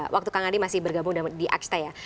waktu kang adeh masih bergabung di akstrat